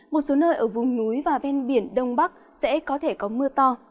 một số nơi ở vùng núi và ven biển đông bắc sẽ có thể có mưa to